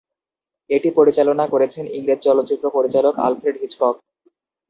এটি পরিচালনা করেছেন ইংরেজ চলচ্চিত্র পরিচালক অ্যালফ্রেড হিচকক।